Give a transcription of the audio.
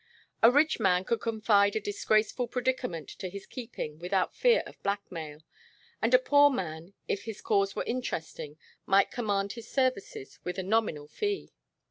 A rich man could confide a disgraceful predicament to his keeping without fear of blackmail, and a poor man, if his cause were interesting, might command his services with a nominal fee.